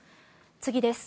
次です。